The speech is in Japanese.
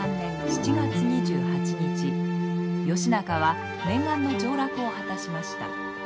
寿永２年西暦１１８３年７月２８日義仲は念願の上洛を果たしました。